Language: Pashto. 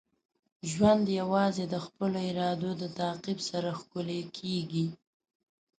ژوند یوازې د خپلو ارادو د تعقیب سره ښکلی کیږي.